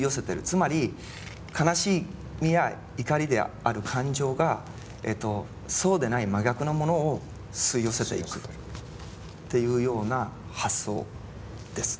つまり悲しみや怒りである感情がそうでない真逆のものを吸い寄せていくっていうような発想です。